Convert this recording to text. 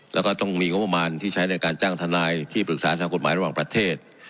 แล้วก็ต้องมีงบประมาณที่ใช้ในการจ้างทนายที่ปรึกษาทางกฎหมายระหว่างประเทศ